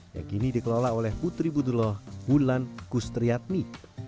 yang kini dikelola oleh putri budulo mulan kustriatni